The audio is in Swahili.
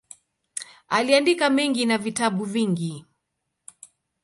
Aliandika mengi na vitabu vingi.